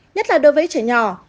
nhất là đối với trẻ nhỏ